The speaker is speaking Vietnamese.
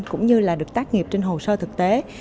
cũng như là được tác nghiệp trên hồ sơ thực tế